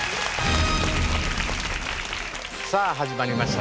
さあ始まりました